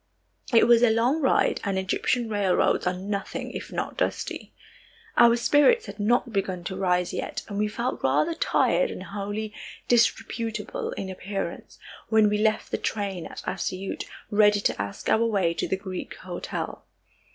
It was a long ride and Egyptian railroads are nothing if not dusty. Our spirits had not begun to rise yet, and we felt rather tired and wholly disreputable in appearance, when we left the train at Assiyut, ready to ask our way to the Greek hotel.